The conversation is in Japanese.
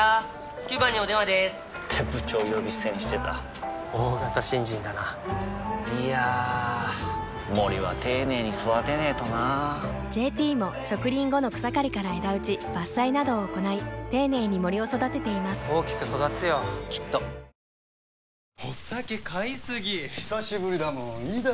９番にお電話でーす！って部長呼び捨てにしてた大型新人だないやー森は丁寧に育てないとな「ＪＴ」も植林後の草刈りから枝打ち伐採などを行い丁寧に森を育てています大きく育つよきっと向こう側に行くぞ！